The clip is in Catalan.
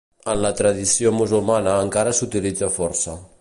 En la tradició musulmana encara s'utilitza força.